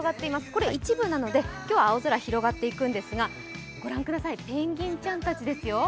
これは一部なので今日は青空が広がっていくんですが、ペンギンちゃんたちですよ